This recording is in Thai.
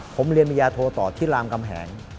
ผมเรียนปริญญาโทต่อที่รามกำแหง